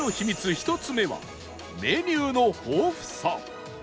１つ目はメニューの豊富さ